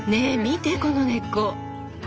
見てこの根っこ！